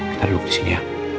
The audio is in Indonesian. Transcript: kita duduk di sini ya